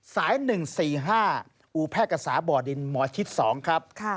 สาย๑๔๕อูแพทย์กษาบ่อดินหมอชิด๒ครับ